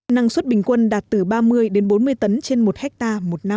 năng suất bình quân đạt từ ba mươi đến bốn mươi tấn trên một hectare một năm